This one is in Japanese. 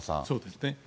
そうですね。